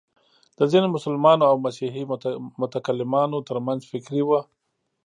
د ځینو مسلمانو او مسیحي متکلمانو تر منځ فکري وه.